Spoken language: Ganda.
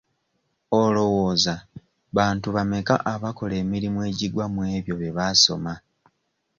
Olowooza bantu bammeka abakola emirimu egigwa mw'ebyo bye baasoma?